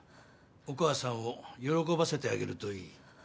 お母さんを喜ばせてあげるといい。